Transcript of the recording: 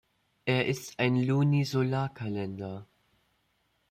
Er ist ein Lunisolarkalender.